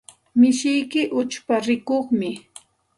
Mishiyki uchpa rikuqmi.